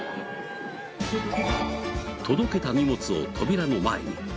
届けた荷物を扉の前に。